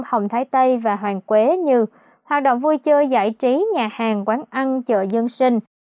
hồng thái tây và hoàng quế như hoạt động vui chơi giải trí nhà hàng quán ăn chợ dân sinh